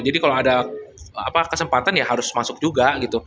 jadi kalau ada kesempatan ya harus masuk juga gitu